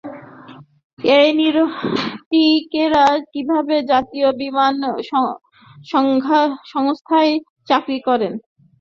এই নরকীটেরা কীভাবে জাতীয় বিমান সংস্থায় চাকরি করেন?